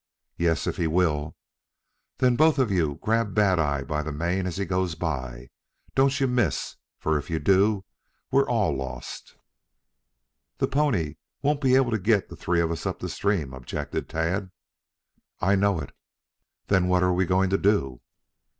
"Yes, if he will." "Then both of you grab Bad eye by the mane as he goes by. Don't you miss, for if you do, we're all lost." "The pony won't be able to get the three of us up the stream," objected Tad. "I know it." "Then, what are we going to do?"